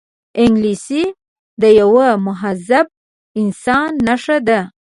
انګلیسي د یوه مهذب انسان نښه ده